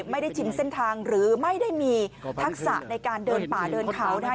ไม่ได้ชินเส้นทางหรือไม่ได้มีทักษะในการเดินป่าเดินเขานะคะ